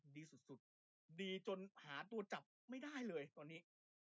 ดีสุดสุดดีจนหาตัวจับไม่ได้เลยตอนนี้